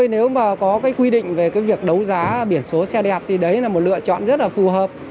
nếu mà có quy định về việc đấu giá biển số xe đẹp thì đấy là một lựa chọn rất là phù hợp